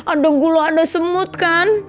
ada gula ada semut kan